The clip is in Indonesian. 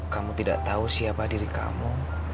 kamu tidak tahu siapa diri kamu